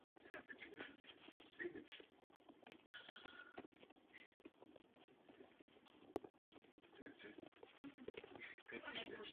Tento faktor stál na počátku japonského automobilového průmyslu.